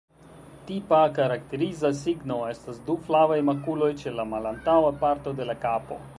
Tipa, karakteriza signo estas du flavaj makuloj ĉe la malantaŭa parto de la kapo.